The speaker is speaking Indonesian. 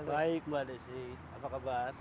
baik mbak desi apa kabar